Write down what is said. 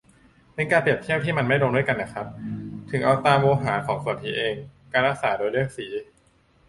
เป็นการเปรียบเทียบที่มันไม่ลงตัวกันน่ะครับ - ถึงเอาตามโวหารของสนธิเอง การรักษาโดยเลือกสี